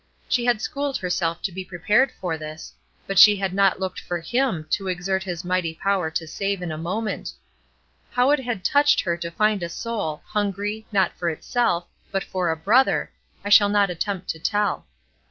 She had schooled herself to be prepared for this, but she had not looked for Him to exert His mighty power to save in a moment. How it had touched her to find a soul, hungry, not for itself, but for a brother, I shall not attempt to tell.